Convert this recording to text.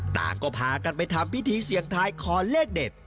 ต่างก็พากันไปทำพิธีเสี่ยงทายขอเลขเด็ด